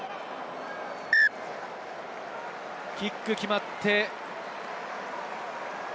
キック決まって。